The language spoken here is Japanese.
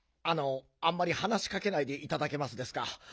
あのあんまりはなしかけないでいただけますですか？